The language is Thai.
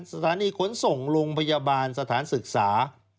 สถานีขนส่งโรงพยาบาลสถานศึกษา